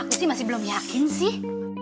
aku sih masih belum yakin sih